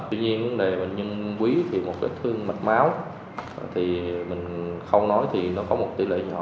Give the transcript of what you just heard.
tuy nhiên vấn đề bệnh nhân quý thì một vết thương mạch máu thì mình không nói thì nó có một tỷ lệ nhỏ